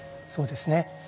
そうですね。